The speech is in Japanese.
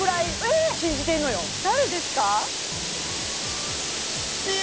誰ですか？